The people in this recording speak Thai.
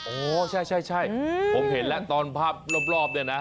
โอ้ใช่ผมเห็นแล้วตอนภาพรอบเนี่ยนะ